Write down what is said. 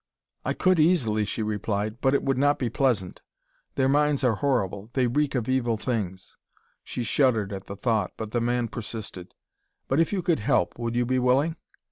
"I could, easily," she replied, "but it would not be pleasant. Their minds are horrible; they reek of evil things." She shuddered at the thought, but the man persisted. "But if you could help, would you be willing?